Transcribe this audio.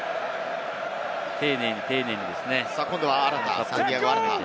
丁寧に丁寧にですね。